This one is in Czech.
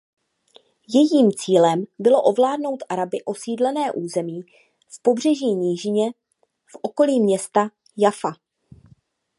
Jejím cílem bylo ovládnout Araby osídlené území v pobřežní nížině v okolí města Jaffa.